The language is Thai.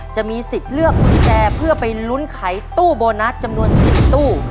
จะมีสิทธิ์เลือกกุญแจเพื่อไปลุ้นไขตู้โบนัสจำนวน๔ตู้